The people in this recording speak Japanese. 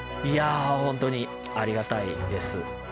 いやあ本当にありがたいです。